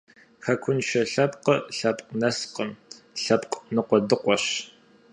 Хэкуншэ лъэпкъыр лъэпкъ нэскъым, лъэпкъ ныкъуэдыкъуэщ.